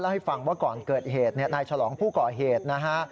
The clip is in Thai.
ให้ฟังว่าก่อนเกิดเหตุนายฉลองผู้ก่อเหตุนะฮะ